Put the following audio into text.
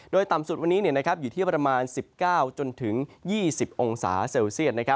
โดยต่ำสุดวันนี้อยู่ที่ประมาณ๑๙จนถึง๒๐องศาเซลเซียต